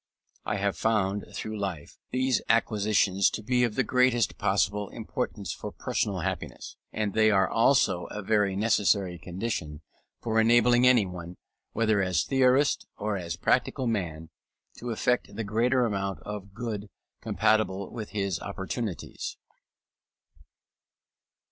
I have found, through life, these acquisitions to be of the greatest possible importance for personal happiness, and they are also a very necessary condition for enabling anyone, either as theorist or as practical man, to effect the greatest amount of good compatible with his opportunities.